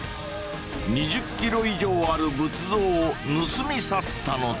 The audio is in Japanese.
２０キロ以上ある仏像を盗み去ったのだ。